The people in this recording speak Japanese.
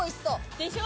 でしょ？